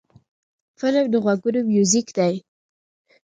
فلم د غوږونو میوزیک دی